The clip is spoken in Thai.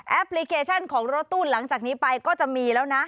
พลิเคชันของรถตู้หลังจากนี้ไปก็จะมีแล้วนะ